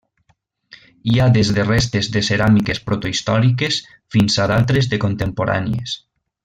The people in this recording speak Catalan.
Hi ha des de restes de ceràmiques protohistòriques fins a d'altres de contemporànies.